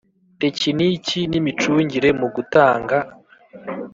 tekiniki n imicungire mu gutanga